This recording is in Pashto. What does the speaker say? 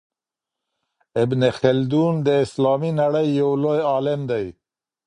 ابن خلدون د اسلامي نړۍ يو لوی عالم دی.